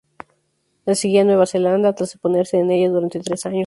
Le seguía Nueva Zelanda, tras oponerse a ella durante tres años.